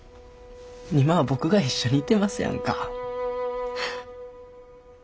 今は僕が一緒にいてますやんか。